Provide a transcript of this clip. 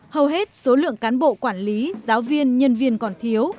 hầu hết số lượng cán bộ quản lý giáo viên nhân viên còn thiếu